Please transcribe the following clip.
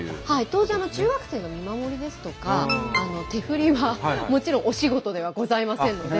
当然中学生の見守りですとか手振りはもちろんお仕事ではございませんので。